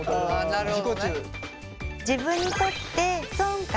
なるほど。